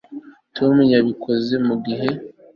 tom yabikoze ku gihe